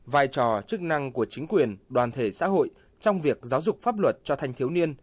vai trò chức năng của chính quyền đoàn thể xã hội trong việc giáo dục pháp luật cho thanh thiếu niên